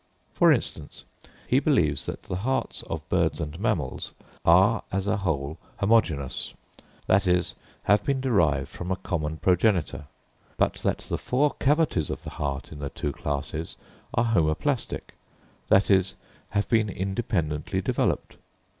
For instance, he believes that the hearts of birds and mammals are as a whole homogenous—that is, have been derived from a common progenitor; but that the four cavities of the heart in the two classes are homoplastic—that is, have been independently developed.